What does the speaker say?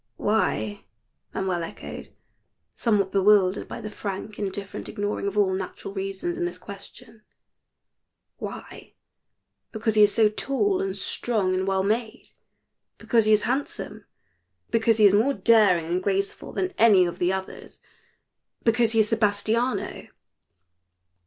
"' Why?'" Manuel echoed, somewhat bewildered by the frank, indifferent ignoring of all natural reasons in this question "'why?' Because he is so tall and strong and well made, because he is handsome, because he is more daring and graceful than any of the others because he is Sebastiano."